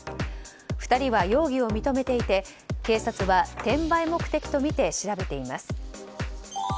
２人は容疑を認めていて警察は、転売目的とみて調べています。